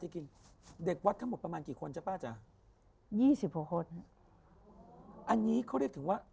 รูปกินเด็กวาสทั้งหมดประมาณกี่คนจ๊ะป๊าจ้ะ๒๕คนอันนี้เขาเรียกถึงว่า